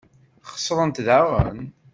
Xesrent daɣen.